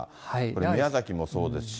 宮崎もそうですし。